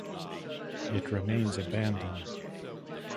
It remains abandoned.